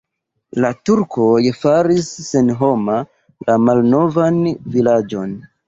La turkoj faris senhoma la malnovan vilaĝon.